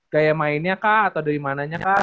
gaya mainnya kah atau dari mananya kah